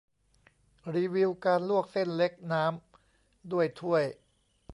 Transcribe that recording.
รีวิวการลวกเส้นเล็กน้ำด้วยถ้วย